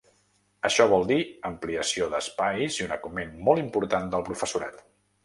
Això vol dir ampliació d’espais i un augment molt important del professorat.